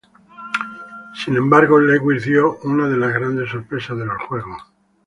Sin embargo Lewis dio una de las grandes sorpresas de los Juegos.